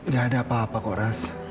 gak ada apa apa kok ras